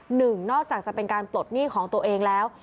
หนึ่งนอกจากจะเป็นการปลดหนี้ของตัวเองแล้ว